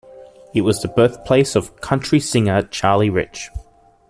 It was the birthplace of country singer Charlie Rich.